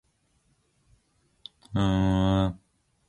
도를 아십니까는 필요 없어요.